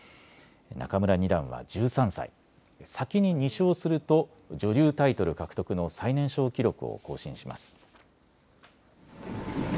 仲邑二段は１３歳、先に２勝すると女流タイトル獲得の最年少記録を更新します。